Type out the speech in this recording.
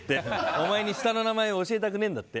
お前に下の名前教えたくないんだって。